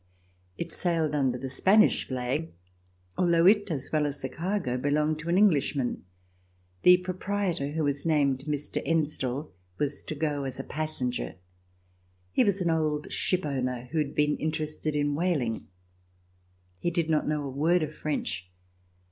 It sailed under the Spanish flag, although it as well as the cargo belonged to an Englishman. The proprietor, who was named Mr. Ensdel, was to go as a passenger. He was an old ship owner who had been interested in whaling. He did not know a word of French.